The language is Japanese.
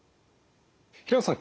平野さん